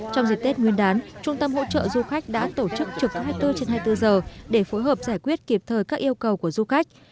trong dịp tết nguyên đán trung tâm hỗ trợ du khách đã tổ chức trực hai mươi bốn trên hai mươi bốn giờ để phối hợp giải quyết kịp thời các yêu cầu của du khách